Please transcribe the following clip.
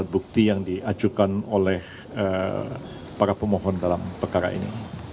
bukti yang diajukan oleh para pemohon dalam perkara ini